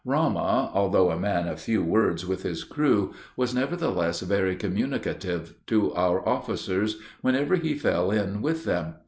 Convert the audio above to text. Ramah, although a man of few words with his crew, was nevertheless very communicative to our officers, whenever he fell in with them.